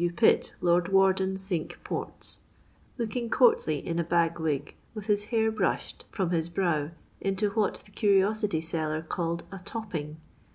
W. Pitt, Lord Warden Cinque Ports," looking courtly in a bag wig, with his hair brushed from his brow into what the curiosity seller called a *' topping."